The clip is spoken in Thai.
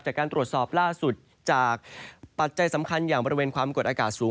จากการตรวจสอบล่าสุดจากปัจจัยสำคัญอย่างบริเวณความกดอากาศสูง